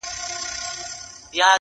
• چي لارښود وي چي ښوونکي استادان وي -